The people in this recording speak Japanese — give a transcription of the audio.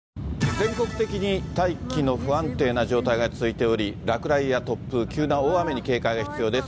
全国的に大気の不安定な状態が続いており、落雷や突風、急な大雨に警戒が必要です。